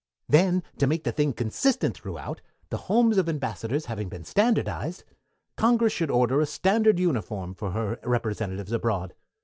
"Then, to make the thing consistent throughout, the homes of Ambassadors having been standardized, Congress should order a standard uniform for her representatives abroad.